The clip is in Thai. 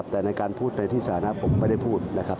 แต่ในการพูดในที่สานะผมไม่ได้พูดนะครับ